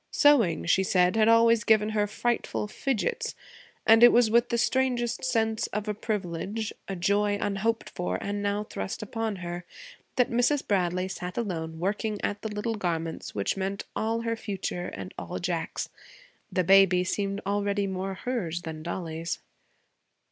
Sewing, she said, had always given her frightful fidgets; and it was with the strangest sense of a privilege, a joy unhoped for and now thrust upon her, that Mrs. Bradley sat alone working at the little garments which meant all her future and all Jack's. The baby seemed already more hers than Dollie's.